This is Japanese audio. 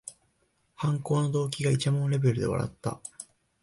犯行の動機がいちゃもんレベルで笑った